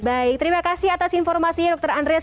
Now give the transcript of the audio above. baik terima kasih atas informasinya dokter andreas